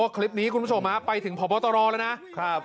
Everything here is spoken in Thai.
คลิปนี้คุณผู้ชมไปถึงพบตรแล้วนะครับ